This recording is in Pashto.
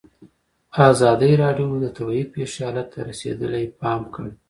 ازادي راډیو د طبیعي پېښې حالت ته رسېدلي پام کړی.